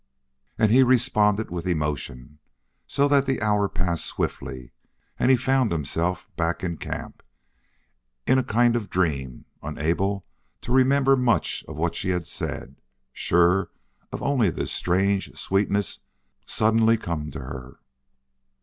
And he responded with emotion, so that the hour passed swiftly, and he found himself back in camp, in a kind of dream, unable to remember much of what she had said, sure only of this strange sweetness suddenly come to her.